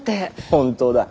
本当だ。